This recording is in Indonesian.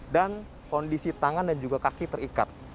dan kondisi tangan dan juga kaki terikat